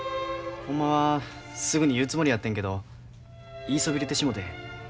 ほんまはすぐに言うつもりやってんけど言いそびれてしもて。